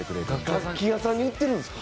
楽器屋さんに売ってるんですか？